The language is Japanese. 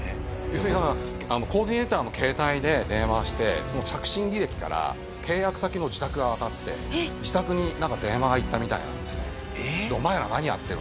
要するにコーディネーターの携帯で電話してその着信履歴から契約先の自宅がわかって自宅になんか電話がいったみたいなんですね。